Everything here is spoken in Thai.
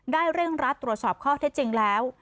เร่งรัดตรวจสอบข้อเท็จจริงแล้ว